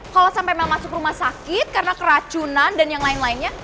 kalo sampe mel masuk rumah sakit karena keracunan dan yang lain lainnya